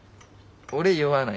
俺酔わない。